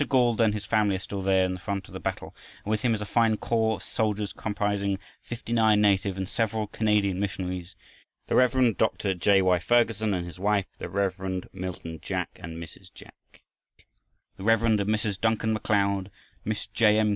Gauld and his family are still there, in the front of the battle, and with him is a fine corps of soldiers, comprising fifty nine native and several Canadian missionaries, including the Rev. Dr. J. Y. Ferguson and his wife, the Rev. Milton Jack and Mrs. Jack, the Rev. and Mrs. Duncan MacLeod, Miss J. M.